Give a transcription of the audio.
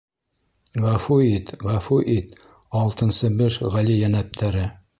— Ғәфүит, ғәфүит, Алтынсебеш ғәлийәнәптәре...